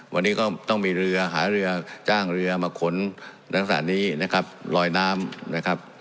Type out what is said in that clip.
วันนี้ก็ต้องมีเรือหาเรือจ้างเรือมาขนลักษณะนี้นะครับลอยน้ำนะครับ